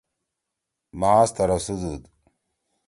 ماس ترسُدُود۔